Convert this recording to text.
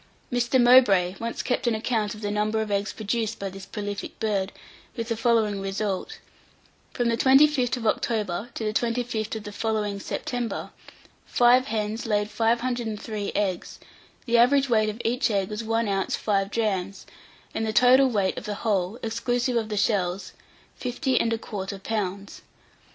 Mr. Mowbray once kept an account of the number of eggs produced by this prolific bird, with the following result: From the 25th of October to the 25th of the following September five hens laid 503 eggs; the average weight of each egg was one ounce five drachms, and the total weight of the whole, exclusive of the shells, 50 1/4 pounds.